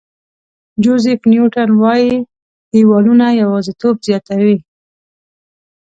جوزیف نیوټن وایي دیوالونه یوازېتوب زیاتوي.